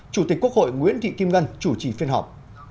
chủ tịch quốc hội nguyễn thị kim ngân chủ trì phiên họp